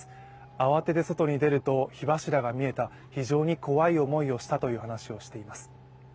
慌てて外に出ると、火柱が見えた非常に怖い思いをしたと言っています。